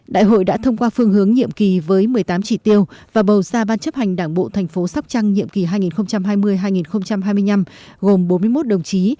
đại hội đã thông qua phương hướng nhiệm kỳ với một mươi tám chỉ tiêu và bầu ra ban chấp hành đảng bộ thành phố sóc trăng nhiệm kỳ hai nghìn hai mươi hai nghìn hai mươi năm gồm bốn mươi một đồng chí